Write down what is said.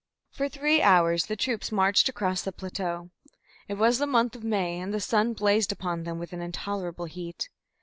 For three hours the troops marched across the plateau. It was the month of May, and the sun blazed upon them with an intolerable heat.